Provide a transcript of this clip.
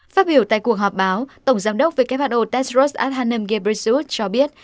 phát biểu tại cuộc họp báo tổng giám đốc who tedros adhanom ghebreyesus cho biết